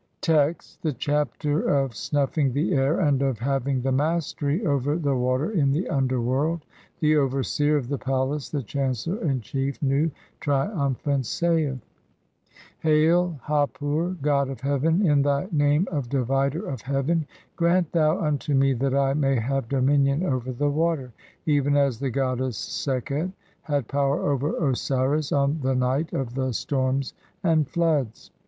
1 07 Text: (1) The Chapter of snuffing the air and of HAVING THE MASTERY OVER THE WATER IN THE UNDERWORLD. The overseer of the palace, the chancellor in chief, Nu, trium phant, saith :— (2) "Hail, Hap ur, god of heaven, in thy name of 'Divider of "heaven', grant thou unto me that I may have dominion over "(3) the water, even as the goddess Sekhet had power over "Osiris on the night of the storms and floods.